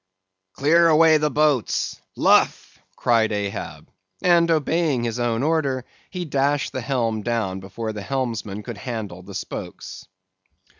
"Clear away the boats! Luff!" cried Ahab. And obeying his own order, he dashed the helm down before the helmsman could handle the spokes.